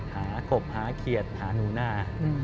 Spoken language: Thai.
หากบหาเขียดหาหนูหน้า